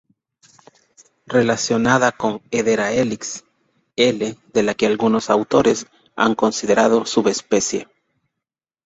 Relacionada con "Hedera helix" L., de la que algunos autores han considerado subespecie.